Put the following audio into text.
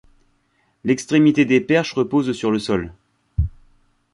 L'extrémité des perches repose sur le sol.